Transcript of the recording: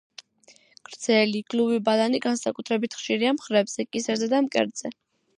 გრძელი, გლუვი ბალანი განსაკუთრებით ხშირია მხრებზე, კისერზე და მკერდზე.